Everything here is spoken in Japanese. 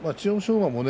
馬もね